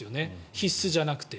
必須じゃなくて。